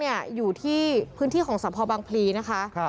เนี่ยอยู่ที่พื้นที่ของสระพอบังพลีนะคะ